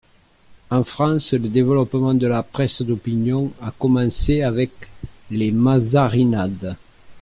En France, le développement de la presse d'opinion a commencé avec les mazarinades.